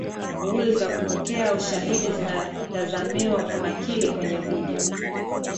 ghuli za kupokea ushahidi zinatazamiwa kunakiliwa kwenye video